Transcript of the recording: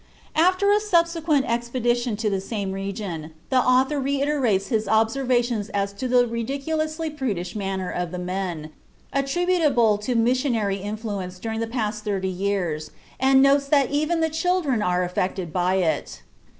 After a subsequent expedition to the same region, the author reiterates his observations as to the "ridiculously prudish manner" of the men, attributable to missionary influence during the past thirty years, and notes that even the children are affected by it.